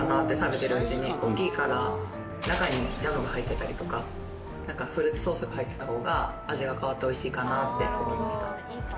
中にジャムが入ってたりとかフルーツソースが入ってた方が味が変わっておいしいかなって思いました。